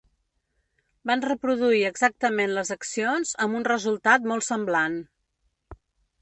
Van reproduir exactament les accions amb un resultat molt semblant.